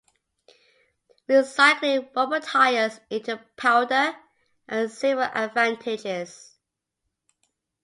Recycling rubber tires into powder has several advantages.